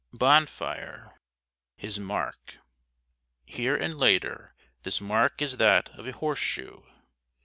BONFIRE His * Mark. * Here and later, this mark is that of a horse shoe.